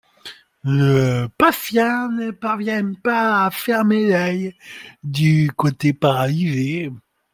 Le patient ne parvient pas à fermer l’œil du côté paralysé.